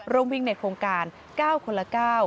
วิ่งในโครงการ๙คนละ๙